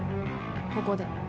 ここで。